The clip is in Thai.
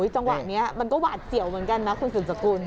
จังหวะนี้มันก็หวาดเสียวเหมือนกันนะคุณสุดสกุล